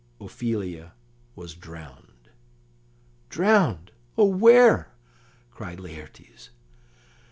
Ophelia was drowned. "Drowned! Oh, where?" cried Laertes.